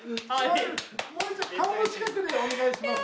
もう１枚顔の近くでお願いします。